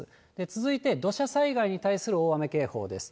続いて土砂災害に対する大雨警報です。